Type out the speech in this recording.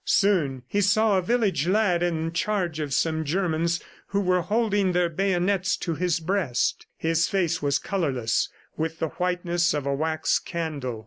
Soon he saw a village lad in the charge of some Germans who were holding their bayonets to his breast. His face was colorless, with the whiteness of a wax candle.